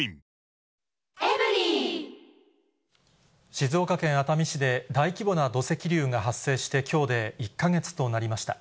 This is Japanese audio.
静岡県熱海市で大規模な土石流が発生してきょうで１か月となりました。